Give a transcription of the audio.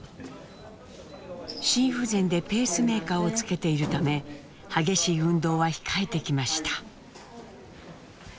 心不全でペースメーカーをつけているため激しい運動は控えてきました。